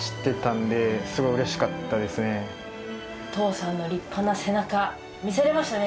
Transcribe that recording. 父さんの立派な背中見せれましたね